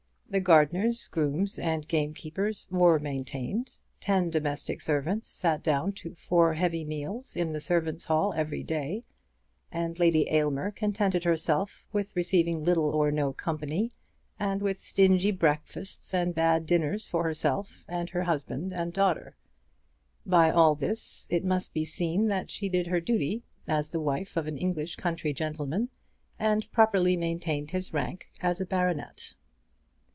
The gardeners, grooms, and gamekeepers were maintained; ten domestic servants sat down to four heavy meals in the servants' hall every day, and Lady Aylmer contented herself with receiving little or no company, and with stingy breakfasts and bad dinners for herself and her husband and daughter. By all this it must be seen that she did her duty as the wife of an English country gentleman, and properly maintained his rank as a baronet.